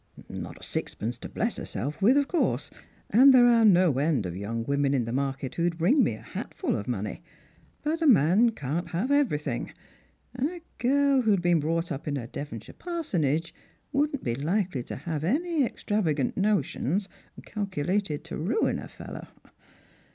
Not a sixpence to bless herself with, of course— and there are no end of young women in the market who'd bring me a hatful of •noney — but a man can't have everything, and a girl who'd been Strangers and Pilgrima. 109 ■brought up in a Devonshire parsonage wouldn't be likely to have Rny extravagant notions calculated to ruin a fellow."